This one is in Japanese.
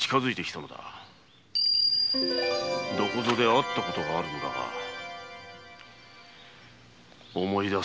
どこぞで会ったことがあるのだが思い出せぬ。